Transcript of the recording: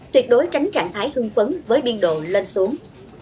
tuyệt đối tránh trạng thái hưng phấn với biên độ lên xuống